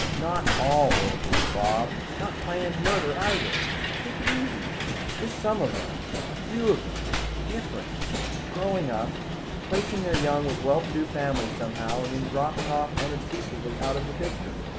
"Not all orphans, Bob. Not planned murder, either. Take it easy. Just some of them. A few of them different. Growing up. Placing their young with well to do families somehow, and then dropping unobtrusively out of the picture.